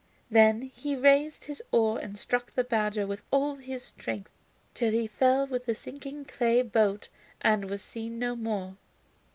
Then he raised his oar and struck at the badger with all his strength till he fell with the sinking clay boat and was seen no more.